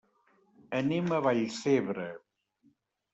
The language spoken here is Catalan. Anem a Vallcebre.